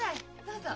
どうぞ。